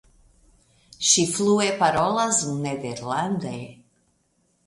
Ŝi flue parolas nederlande.